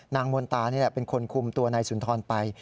มนตานี่แหละเป็นคนคุมตัวนายสุนทรไป